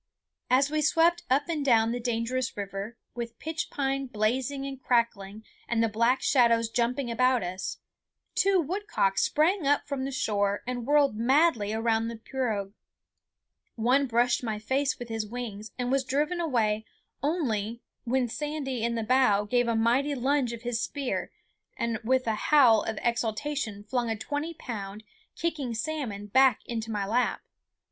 As we swept up and down the dangerous river, with pitch pine blazing and cracking and the black shadows jumping about us, two woodcock sprang up from the shore and whirled madly around the pirogue. One brushed my face with his wings, and was driven away only when Sandy in the bow gave a mighty lunge of his spear and with a howl of exultation flung a twenty pound, kicking salmon back into my lap.